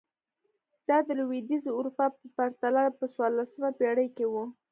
دا د لوېدیځې اروپا په پرتله په څوارلسمه پېړۍ کې و.